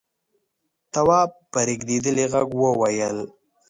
تواب په رېږدېدلي غږ وويل: